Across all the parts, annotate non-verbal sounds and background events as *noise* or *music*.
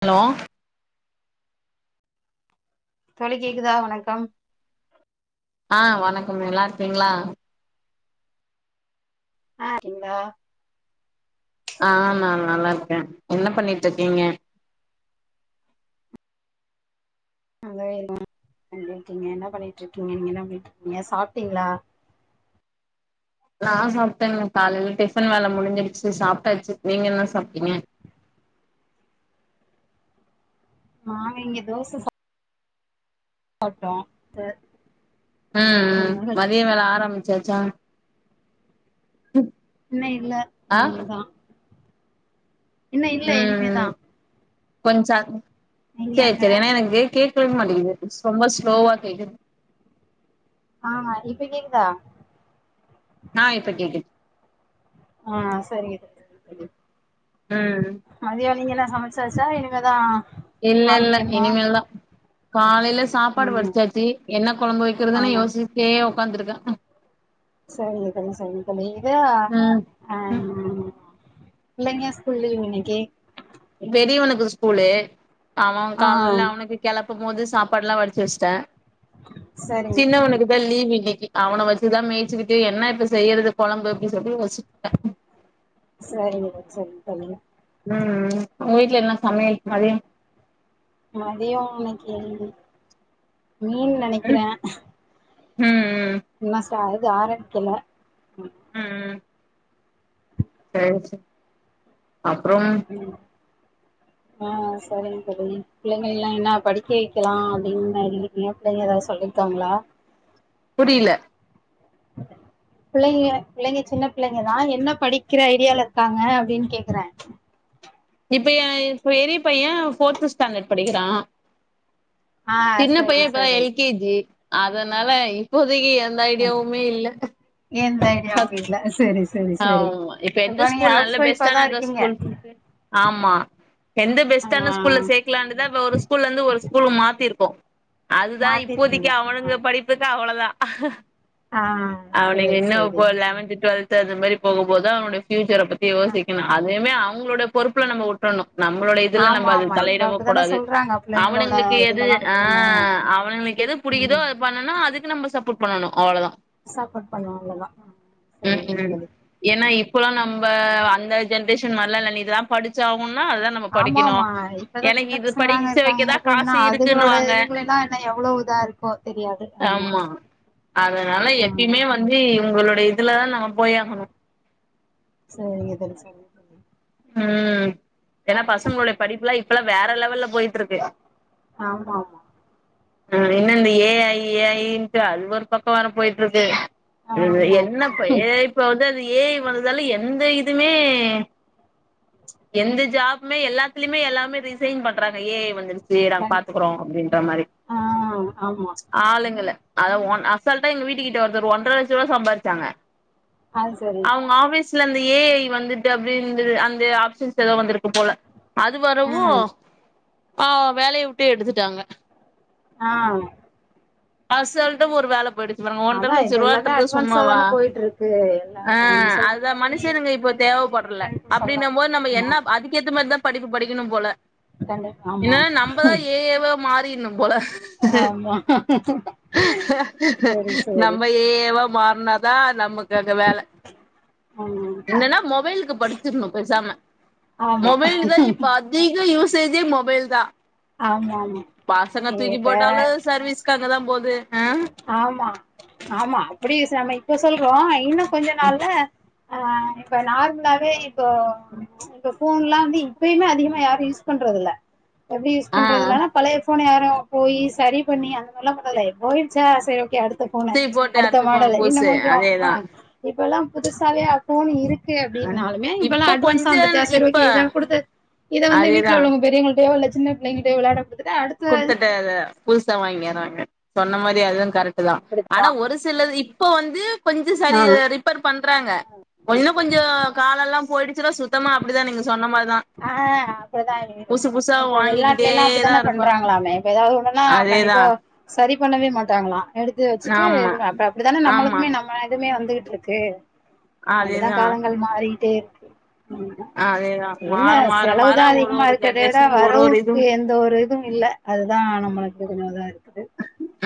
hello தோழி கேக்குதா வணக்கம் ஆஹ் வணக்கம் நல்லாருப்பிங்களா ஆஹ் *unintelligible* ஆஹ் நா நல்லா இருக்க என்ன பண்ணிட்டு இருக்கீங்க *unintelligible* என்ன பண்ணிட்டு இருக்கீங்க நீங்க என்ன பண்ணிட்டு இருக்கீங்க சாப்பிட்டீங்களா நா சாப்பிட்டேங்க காலையில டிஃபன் வேலை முடிஞ்சிருச்சு சாப்பிட்டாச்சு நீங்க என்ன சாப்பிட்டீங்க ஆ இங்க தோச சாப் சாப்ட்டோ இது ம் ம் மதிய வேல ஆரம்பிச்சாச்சா இன்னு இல்ல ஆ இனிமேதா இன்னு இல்ல இனிமேதா ம் *unintelligible* நீங்க சேரி அங்க சேரி ஏனா எனக்கு கேக் கேக்கமாட்டுக்குது ரொம்ப ஸ்லோவா கேக்குது ஆஹ் இப்ப கேக்குதா ஆ இப்ப கேக்குது ஆஹ் சரிங்க தோழி ம் நீங்கள சமைச்சாச்சா இனிமே தா இல்லல்ல இனிமேல்தா காலைல சாப்பாடு ம் வடிச்சாச்சு என்ன கொழம்பு வெக்கிறதுன் ஆமா யோசிச்சி ட்டே ஒ வந்துருக்க சரிங்க தோழி சரிங்க தோழி இதா அ ம் பிள்ளைங்க ஸ்கூல் லீவ் இன்னைக்கி பெரியவுனுக்கு ஸ்கூலு ஆமாக்கா ஆ *unintelligible* அவுனுக் கெலப்ப மோதுஸ் சாப்பாடுலா வடிச்சு வச்ட்ட சரிங்க தோழி சின்னவனுக்குதா லீவு இன்னிக்கு அவன வச்சுதா மேச்சுகிட்டு என்ன இப்ப செய்யறது கொழம்பு அப்டின் சொல்லி யோசிச்சிட்ருக்கே சரிங்க த சரிங் தோழி ம் ம் உங்கு வீட்ல என்ன சமையல் மதியம் மதிய இன்னைக்கு நீன்னு ம் நெனைக்கிறே ம் ம் தா அது ஆரம்பிக்கல ம் அப்றோம் ஆ சரிங் தோழி பிள்ளைங்களைலா என்னா படிக்க வெக்கலா அப்டின் இருக்கிங்க பிள்ளைங்க எதாவுது சொல்லிருக்காங்ளா புரில பிள்ளைக பிள்ளைங்க சின்ன பிள்ளைங்கதா என்ன படிக்கிற ஐடியால இருக்காங்க அப்டின் கேக்கற இப்ப ஏ பெரிய பையே போர்து ஸ்டாண்டர்ட் படிக்கிறா ஆ சின்ன பைய சரி இப்பதா சரி எல் கே ஜி அதனால இப்போ இல்லயே எந்த ஐடியாவுமே இல்ல தைரிய அவுங் வீட்ல சேர் ஆமா இப்ப எந்த ஸ்கூல் நல்ல ஒய்ஃபா தா பெஸ்ட்டானத இருக்கீங்க ஸ்கூல் சொல்ட்டு ஆமா எந்த ஆ பெஸ்டான ஸ்கூல்ல சேக்கலான்ட்டுதா இப்ப ஒரு ஸ்கூல்ல இருந்து ஒரு ஸ்கூல் மாத்திருக்கோ அதுதா இப்போதைக்கு மாத்திருக்கீங்க ஆ அவனுங்க படிப்புக்கு அவள ஆ அவனுக சரி என்ன சரி இப்போ லெவன்த் டுவெல்த் த்தந்த மாரி போகும் போதா அவனுனோட ஃபியூச்சர் பத்தி ஆ யோசிக்கணும் அதயுமே அப் அவ்ங்களோட பொறுப்புல நம்ம வுட்ரணும் நம்மளோட இதுல ஆமா நம்ம அது ஆமா இப்ப தலையிடவு அப்படித்தானே கூடாது சொல்றாங்க பிள்ளைங்களோட அவனுங்களுக்கு எது இதுலதா ஆ விட்றணு அவனுங்களுக்கு எது புடிக்குதோ ம் அது பண்ணனும் அதுக்கு நம்ம சப்போ ம் அவ்வளோதா சாப்பாடு பண்ணுவ அவ்ளோதா ஹ் ம் சேரி ம் ஏன்னா இப்பல்லா நம்ம இப்ப அந்த ஜென்ரேஷன் மாறிலா இல்ல நீ இத படிச்சு அவ் வும்னா அதா நம்ம படிக்குனு ஆமாமா இப்பதா எனக்கு சின்ன இது பசங்களாங்க படிச்ச வைக்கதா இருக்காங்கிறப்போ இன்னு காசு அதுங்களோட இருக்குன்னுவாங்க இதுங்களல்லா என்ன எவ்ளோ இதா இருக்கோ தெரியாது ஆமா அதனால ஆ எப்பியுமே வந்து உங்களுடைய இதுல தா நங் போயாகனு சேரிங்க தோழி சேரிங்க தோழி ம் ஏன்னா பசங்களுடைய படிப்புல இப் இப்பல்லா வேற லெவல்ல போயிட்டுருக்கு ஆமாம ஆஹ் இன்ன இந்த ஏ ஐ ஏஐன்ட்டு அது ஒரு பக்கம் வேற போயிட்டு இருக்கு இது ஆமா என்னப்ப ஆமா ஏஐ இப்ப வந்து அது ஏ ஐ வந்ததால எந்த இதுமே எந்த ஜாப்மே எல்லாத்துலயுமே எல்லாமே ரீசைன் பண்றாங்க ஏ ஐ வந்துச் ஜி நாங்க கண் பாத்துக்கறோம் அப்டின்ற மாரி ஆ ஆம்மா இல்ல அதா ஒன் அசால்டா எங்க வீட்டு கிட்ட ஒருதரு ஒன்றர லட்ச ரூவா சம்பாரிச்சாங்க ஆ சரி ஜில அந்த ஏ ஐ வந்துட்டு அப்டின்த்ரு அந்த ஆப்ஷன்ஸ் ஏதோ வந்துருக்கும் போல அது வரவு ம் ஆ வேலைய வுட்டு எடுத்துட்டாங்க ஆ அசால்ட்டா ஒரு வேல போயிடு இப்ப நம்ம ஒன்றர அதா லட்ச இப்ப எல்லாமே ரூபான்றது அட்வான்ஸா சும்மாவா தான போயிட்டு இருக்கு ஆ எல்லாமே நீங்க சொல்ற அதா மாரி மனுஷனுங்க இப்ப இப்பவே நம்ம எதையுமே தேவப்படல கணிப்பு சொல்ல அப்டினம் போது முடியாது நம்ம ஆமா என்ன அதுக்கேத்த மார்தா படிப்பு படிக்கணு போல கண்டிப்பா ஆமா இல்லன்னா நம்பதா ஆமா ஏ ஏவா மாறி ட்னு போல ஆமா சரி சரி நம்ப ஏ ஏவா மாறு னா தா நமக்கு அங்க வேல, ம் என்னன்னா மொபைலுக்கு படிச்சிடுனு பெசாம ஆமா மொபைல்தா இப்ப அதிக யூஸ் சேஜே மொபைல்தா ஆமா ஆமா பசங்க தூக்கி போட்டாலு இப்ப சர்வீஸ்க்கு அங்கதா போது ஆமா, ஆமா, அப்படி நம்ம இப்ப சொல்றோ இன்னு கொஞ்ச நாள்ல ஆ, இப்ப நார்மலாவே இப்போ இப்ப ஃபோன்லா வந்து இப்பயுமே அதிகமா யாரும் யூஸ் பண்றது இல்ல எப்டி யூஸ் ஆ பண்றதுல்லனா பழைய ஃபோன யாரும் போயி சரி பண்ணி அந்த மாரில்லா பண்றதுல்ல எ போயி ச்ச சேரி ஓகே அடுத் த போன தூக்கி போட்டு அடுத்த ஃபோன மாடலு இன்னும் புதுசு கொஞ்சோம் ஆ அதேதா இப்பல்லாம் புதுசாவே அப் ஃபோனு இருக் கு அப்டின்னாலுமே இப்பல்லா இப்ப அட்வான்ஸா கொஞ்ச வந்துருச்சா சரி ஓகே இப்ப இத குடுத்து இத வந்து வீட்ல அதேதா உள்ளவங்க பெரியவங்கள்ட்டயோ இல்ல ஜின்ன பிள்ளைங்கிட்டே வெளாட குடுத்துட்ட அத புதுசா வாங்கிறாங்க சொன்ன மாரி அதுதன் கரெட்டு தா ஆனா அப்டித்தா ஒரு சிலது இப் இப்போ வந்து கொஞ்ச சரி ஆ ரிப்பேர் பண் ராங்க ஒன்னும் கொஞ்சம் காலல்லாம் போயிடுச்சுனா சுத் த்தமா அப்டிதா நீங்க சொன்ன மாரி ஆஹ் அப்டிதான் இ இருக்கும் புதுசா இப்ப வெளிநாட்டுல வாங்கிக்கிட்டே எல்லாம் தா அப்டித்தான பண்றாங் இருப்பாங்க களாமே இப்ப எதாவது ஒண்ணுன்னா அதேதா கண்டிப்பா சரி பண்ணவே மாட்டாங்களாம் எடுத்து வச்சுட்டு ஆமா இது அப்ப அப்டித்தானே ஆமா நம்மளுதுமே நம்ம இதுமே வந்து ட்டுருக்கு அப்டிதான் காலங்கள் மாறி டே ஆஹ் அதேதான் என்ன செலவு தான் அதிகமா இருக்கதே விட ஒரு ஒரு இது வரவுக்கு எந்த ஒரு இதுவும் இல்ல அதுதான் *unintelligible* நம்மளுக்கு இது மாரி தா இருக்குது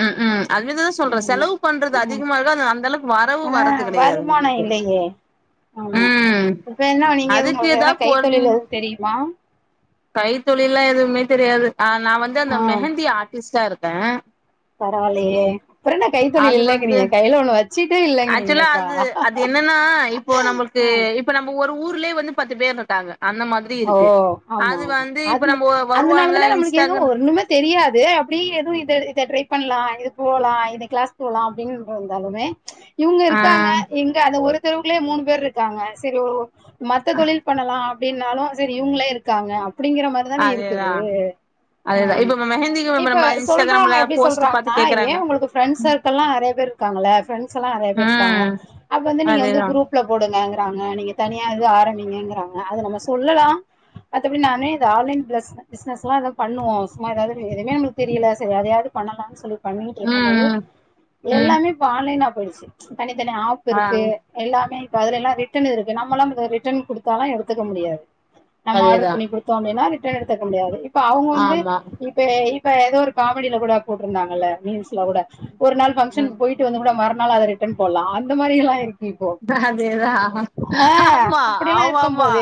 ம் உம் அதுமாரிதான சொல்றேன் ம் செலவு பண்றது ம் அதிகமா இருக்கு அது அந்த அளவுக்கு வரவு ஆ வர்றது கெடையாது வருமானம் நமக்கு இல்லையே ஆமா உம் இப்ப என்ன நீங்க அதுக்கு உங்களுக்கு எதா என்ன பொரு கைத்தொழில் எதுவும் தெரியுமா கைத்தொழில்லா எதுவுமே தெரியாது ஆஹ் நான் வந்து அந்த மெஹந்தி ஆர்டிஸ்ட்டா இருக் தேன் பரவா இல்லையே அப்புறம் என்னா கைத்தொழில் அது வந்து இல்லங்கிறீங்க கையில ஒண்ணு வச்சுட்டே ஆக்சுவலா இல்லேங்கிறீங்களேப்பா அது அது என்னன்னா ஆஹ் உள்ளயே வந்து பத்து பேர் இருக்காங்க அந்த மாதிரி ஓ இருக்கு ஆமா அது ஆமா வந்து அ இப்ப நம்ம அதுனால வருவாங்க தான நம்மளுக்கு எதுவும் இன்ஸ்டாகிராம் ஒண்ணுமே தெரியாது அப்டியே எதோ இது இத ட்ரை பண்லாம் இது போலாம் இது கிளாஸ் போலாம் அப்டினு இருந்தாலுமே ச் இவுங்க ஆ இருக்காங்க எங்க அத ஒரு இவுங்கலே மூணு பேர் இருக்காங்க செரி ஒ மத்த தொழில் பண்ணலாம் அப்டின்னாலும் சரி இவுங்களே இருக்காங்க அப்டிங்கற மாரிதான அதேதா இருக்குது அதேதா அஹ் இப்ப நம்ம மெஹந்திக்கு இப்ப நம்ம சொல்றவங்க இன்ஸ்டாகிராம்ல எப்டி போஸ்ட் பாத்து சொல்றாங்கன்னா கேக்குறாங்க ஏன் உங்களுக்கு ஃப்ரெண்ட்ஸ் சர்க்கள்ல்லாம் நெறய பேர் இருக்காங்கல்ல ஃப்ரெண்ட்ஸ்ல்லா நெறய பேர் இருக்காங்க ம் அப்ப வந்து நீங்க வந்து அதேதா குரூப்ல போடுங்க காங்க நீங்க தனியா இருந்து ஆரம்பிங்கங்கறாங்க அது நம்ம சொல் இல்லடா மத்தபடி நானே இந்த ஆன்லைன் கிளாஸ் பிஸ்னஸ்லாம் ஏதோ பண்ணுவோம் சும்மா எதாவது எதுமே தெரியல எதயாவது பண்ணலாம்னு சொல்லிட்டு பண்ணிட்டு இருக்கும் போது ம் ம் ம் எல்லாமே இப்ப ஆன்லைன் அப் பொய்டுச்சு தனித்தனி ஆப் ஆ இருக்கு எல்லாமே அதுல எல்லாம் ரிட்டன் இருக்கு நம்மலா ரிட்டன் குடுத்தாலா எடுத்துக்க முடியாது நம்ம ஆர்டர் அதேதா பண்ணி குடுத்தோ அப்டின்னா ரிட்டன் எடுத்துக்க முடியாது இப்ப அவுங் வந்து ஆமா இப்பே இப்ப எதோ ஒரு காமெடில கூட போட்ருந்தாங்கல்ல மீம்ஸ்ல கூட ஒரு நாள் ம் ஃபங்ஷக்கு போயிட்டு வந்து கூட மறந் நால அத ரிட்டர்ன் போட்லா அந்த மாரி எல்லா இருக் தா அதேதா ஆமா ஆமாமா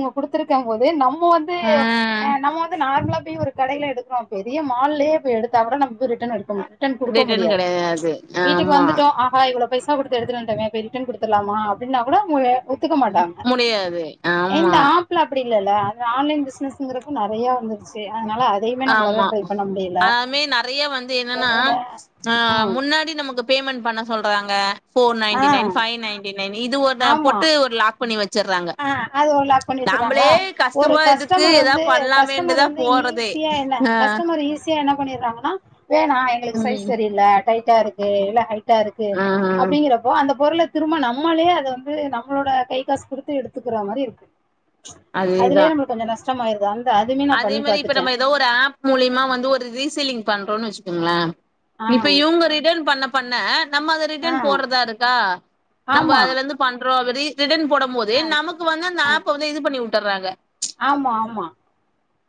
நங்க குடுத்திருக்கம் போது நம் மோ வந்து ஆ நம்ம வந்து நார்ம்லா தி ஒரு கடைல எடுக்கறோ பெரிய மால்லியே போய் எடுத்தா கூட நம் ரிட்டர்ன் எடுக்க ரிட்டர்ன் குடுக்க ரிட்டன் முடியாது கெடையாது வீட்டுக் ஆமா வந்துட்டோ ஆகா இவ்ளோ பைசா குடுத்து எடுத்துட்டு வந்துட்டமே போய் ரிட்டன் குடுத்துட்லாமா அப்டினா கூட உங்க முடியாது ஆமா எந்த ஆப்பிள அப்புடி இல்லல்ல இந்த ஆன்லைன் பிஸ்னஸ்ங்கிறது நெறய வந்துருச்சு அதனால அதையுமே நம்மளால ஆமா ட்ரை பண்ண முடியல அதாமே நெறய வந்து என்னன்னா அ ஆ முன்னாடி நமக்கு பேமண்ட் பண்ண சொல்றாங்க ஃபோர் ஆ ninety nine five ninety nine நி இது ஒரு பொட்டு ஒரு லாக் பண்ணி வச்சு அ அது ஒ லக் பண்ணி வச்சறாங்ளா ஒரு கஷ்டமா இருக்கு கஸ்டமர் ஏதா வந்து கஸ்டமர் பண்லாமேன்ட்டுதா வந்து போறதே ஈஸியா என்ன ஆ கஸ்டமர் ஈஸியா என்ன பண்ணிடுறாங்கன்னா வேணா எங்களுக்கு சைஸ் ம் செரியில்ல டைட்டா இருக்கு இல்ல ஹை டா இருக்கு ஆ அப்டிங்கிறப்போ அந்த பொருள திரும்ப நம்மளே அத வந்து நம்மளோட கை காசு குடுத் து எடுத்துக்குறா மாரி இருக்கு அதேதா அதுலே நம்மளுக்கு கொஞ்ச நஷ்ட் ஷ்டமாயிருது அந் அதே மரி இப்ப நம்ம எதோ ஒரு ஆப் மூலிமா வந்து ஒரு ரீசீலிங் பண் டோன் வச்சுக்கங்கள ஆ இப்ப இவுங்க ரிட்டன் பண்ண பண்ண நம்ம அத ஆ ரிட்டன் போட்றதாருக்கா நம்ப ஆமா அதுல இருந்து பண்றோ ரீ ரிடன் போடம்போது ஆ நமக்கு வந்து அந்த ஆ ஆப் வந்து இது பண்ணிவு ட்டர்றாங்க ஆமா ஆமா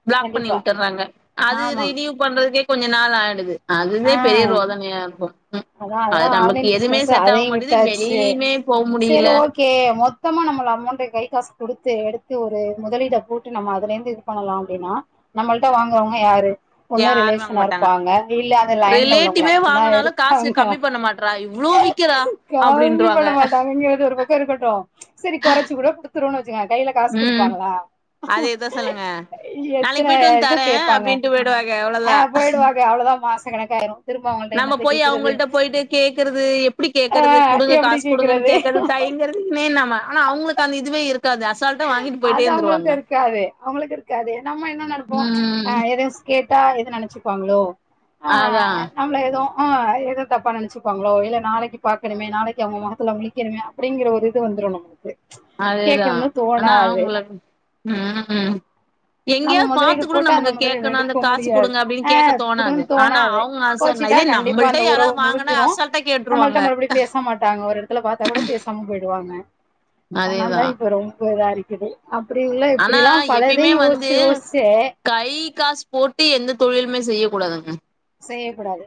ப்ளாக் பண்ணி கண்டிப்பா உட்டுறாங்க அது ஆமா ரினியூ பண்ற அதுக்கே கொஞ்ச நாள் ஆயிடுது அதுவே ஆ பெரிய ரோதனையா இருக்கு ம் அதா அது அதா நமக்கு ஆன்லைன் எதுவுமே பிசினஸ் செட் ஆக அதையு மாட்டேது விட்டாச்சு, வெளியிலயுமே போ சேரி முடியல ஓகே மொத்தமா நம்மள அமோண்ட் கை காச குடுத்து எடுத்து ஒரு முதலீட போட்டு நம்ம அதுல இருந்து இது பண்ணலா அப்டின்னா நம்மள்ட்ட வாங்குறவங்க யாரு ஒண்ணு யாரு வாங்க ரிலேஷனா மாட்டாங்க இருப்பாங்க இல்ல அந்த லைன்ல உள்ளவங்களா ரிலேட்டிவே மட்டுதா வாங்குனாலு இருப் காசு அவங்க கம்மி பண்ண மாட்றா இவ்ளோ விக்கிறா கம்மி பண்ண அப்டின்ருவாங்க மாட்டாங்கங்றது ஒரு பக்க இருக்கட்டு செரி கொறச்சு கூட குடு த்துருவோனு வச்சுங்க கைல காசு ம் குடுப்பாங்களா அதேதா சொல்லுங்க நாளைக்கு எத்தன போயிட்டு வந்து இது தரே கேப்பாங்க அப்டின்ட்டு போயிடுவாங்க ஆ அவ்ளோதா போயிடுவாங்க அவ்ளதா மாச ச கணக்காயிரும் திரும்ப அவங்கள்ட்ட என்னத்த கேக் அவங்கள்ட போயிட்டு கேக்குறது எப்டி ஆ கேக்றது குடுங்க எப்டி காசு குடுங்கனு கேக்குறது கேக்றதுக்கு தயங்குறதுமே நாம ஆனா அவங்களுக்கு அந்த இதுவே இருக் அது அவங்களுக்கு இருக்காது அவங்களுக்கு இருக்காது நம்ம என்ன நெனப்போ ம் அ எதோ கோட் டா எது நெனைச்சுப்பாங்களோ அதா ஆ எதோ தப்பா நெனச்சுப்பாங்ளோ இல்ல நாளைக்கு பாக்கணுமே நாளைக்கு அவங்க முகத்துல முழிக்கணுமே அப்படிங்கிற ஒரு இது வந்துரு நமக்கு அதேதா கேக்கணும்னு ஆனா தோணாது உங்கள ம் நம்ம எங்கேயாவது பாத்து முதலீடு கூட போட்டு அந்த நமக்கு முதலீடு கேட்கணு அந்த எடுக்க காசு முடியாது குடுங்க அப்டின்னு ஆ கேட்க தோணாது குடுங்கன் ஆனா தோணாது அவங்க அச போச்சிடா இதே கண்டிப்பா நம்மள்ட்ட அந்த உறவு யாராவது வாங்கனா முறிஞ்சிரு அசால்ட்டா நம்மள்ட்ட கேட்டுருவாங்க மறுபடியு பேச மாட்டாங்க ஒரு எடத்துல பாத்தா கூட பேசாம போயிடுவாங்க அனாலதா அதேதா இப்ப ரொம் ப இதா இருக்குது அப்படின்லா இப்படிலா பலதையு யோசி து கை காசு போட்டு எந்த தொழிலுமே செய்யக் கூடாதுங்க செய்ய கூடாது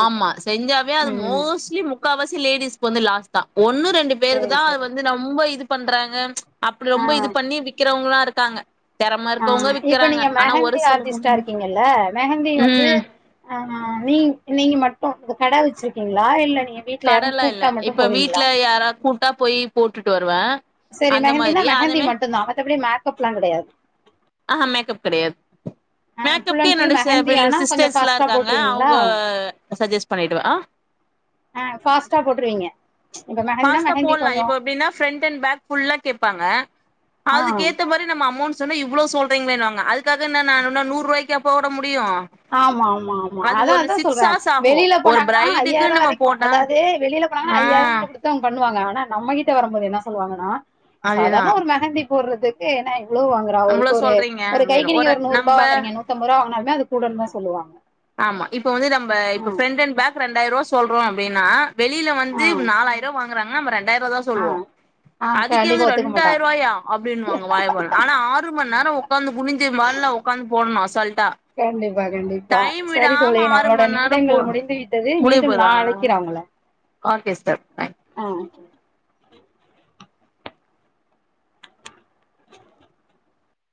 ஆமா செஞ்சாவே அது மோஸ்ட்லி முக்காவாசி லேடிஸ்க்கு வந்து லாஸ் தா ஒன்னு ரெண்டு பேருக்கு சரி தா அது சரி வந்து நொம்ப இது பண்றாங்க அப்படி ஆ ரொம்ப இது பண்ணி விக்கிறவங்களா இருக் காங்க ஆ இப்ப நீங்க மெஹந்தி ஆர்டிஸ்ட்டா சிலவங்க இருக்கீங்கல்ல மெஹந்தி வந்து ம் அ நீங் நீங்க மட்டு இந்த கட வச்சிருக்கீங்களா இல்ல நீ கடலா இல்ல இப்ப வீட்டு்ல யாரா கூப்ட்டா போய் போட் விட்டுட்டு வருவே செரி அந்த மெஹந்தினா மாதிரி மெஹந்தி அதுமே மட்டு தா மத்தபடி மேக்கப்லா கெடையாது ஆஹா மேக்கப் கெடையாது ஆ ஃபுல் மேக்கப்க்கு அண்ட் ஃபுல் மெஹந்தி என்னோடைய *unintelligible* ஆனா கொஞ்ச சிஸ்டர்ஸ்லா ஃபாஸ்ட்டா இருக்காங்க போட்ருவீங்களா அவங்க சஜஸ்ட் பண்ணிடுவ ஆ ஆ ஃபாஸ்ட்டா போட்டுருவீங்க ஃபாஸ்டா போட்லா இப்ப எப்டின்னா ஃப்ரண்ட் அண்ட் பேக் ஃபுல்லா கேப்பாங்க ஆ அதுக்கு ஏத்தமாரி நம்ம அமௌண்ட் சொன்ன இவ்வளோ சொல்றீங்களேன்னுவாங்க அதுக்காக என்ன நா என்ன நூறு ரூவாய்க்கா போட முடி ஆமா ஆமா ஆமா அதா அதா சிக்ஸ் சொல்றே ஹார்ஸ் ஆகு வெளியில ஒரு போனாங்கன்னா பிரைடுக்கு ஐயாயிர நம்ம வரைக்கு போட்டா அதாவது வெளியில போனாங்கன்னா ஆ ஐயாயிரக்கூட கொடுத்து பண்ணுவாங்க ஆனா நம்மகிட்ட வரும்போது என்ன சொல்லுவாங்கன்னா அதேதா சாதாரண ஒரு மெகந்தி போறதுக்கு என்னா இது இவ்ளோ வாங்கறா ஒரு இவ்ளோ ஒரு சொல்றீங்க ஒரு அப்டின்னு கைக்கு நீங்க ஒரு நூறு ருபா நம்ப வாங்குறீங்க நூத்தம்பது ருபா வாங்கனாலுமே அது கூடன்னு தா சொல்லுவாங்க ஆமா இப்ப வந்து நம்ப ஆ இப்ப ஃப்ரண்ட் அண்ட் பேக் ரெண்டாயிரருவா சொல்றோ அப்டின்னா வெளில ஆ வந்து நாலாயிர ரூவா வாங் றாங்க நம்ப ரெண்டாயி *unintelligible* தா ஆ சொல்வோ ஆ அதுக்கே கண்டிப்பா வந்து ஒத்துக்க மாட்டாங்க ரெண்டாயிருவாயா அப்டின்னுவாங்க வாய ப ஆனா ஆறு மணி நேரோ உக் உக்காந்து குனிஞ்சி *unintelligible* ஒக்காந்து போட்ணு அசால்ட்டா ப டைம் செரி விடாம தோழி ஆறு நம்மளோட மண் நேரோ போ நிமிடங்கள் முடிந்து விட்டது முடிய மீண்டும் போதா நாளைக்கு நா உங்கள ஓகே சிஸ்டர் தேங் *unintelligible*